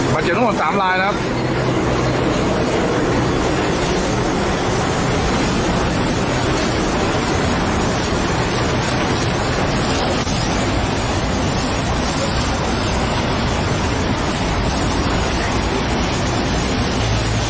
มาเจอทุกคนสามลายนะครับ